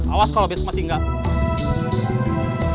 awas kalau besok masih enggak